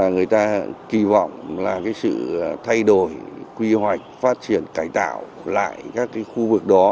người ta kỳ vọng là sự thay đổi quy hoạch phát triển cải tạo lại các cái khu vực đó